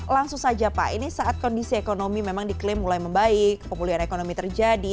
langsung saja pak ini saat kondisi ekonomi memang diklaim mulai membaik pemulihan ekonomi terjadi